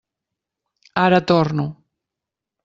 Ara torno.